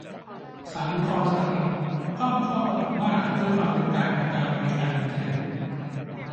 ศาลอุทธรณ์สหรัฐ คว่ำข้อกำหนดว่าด้วยความเป็นกลางในการให้บริการอินเทอร์เน็ต